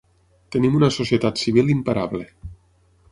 Tenim una societat civil imparable.